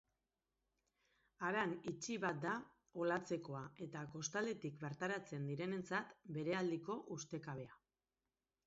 Haran itxi bat da Olatzekoa eta kostaldetik bertaratzen direnentzat, berealdiko ustekabea.